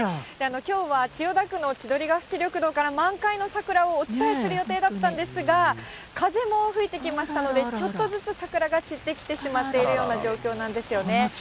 きょうは千代田区の千鳥ヶ淵緑道から満開の桜をお伝えする予定だったんですが、風も吹いてきましたので、ちょっとずつ桜が散ってきてしまっているような状況なんですよね。